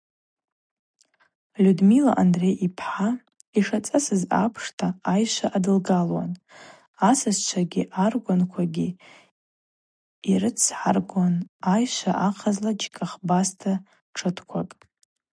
Людмила Андрей йпхӏа йшацӏасыз апшта айшва адылгалуан, асасчвагьи аргванквагьи йрыцгӏаргуан айшва ахъазла джьыкӏьахбаста тшытквакӏ.